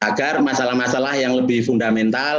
agar masalah masalah yang lebih fundamental